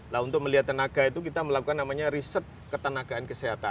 nah untuk melihat tenaga itu kita melakukan namanya riset ketenagaan kesehatan